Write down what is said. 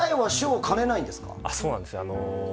そうなんですよ。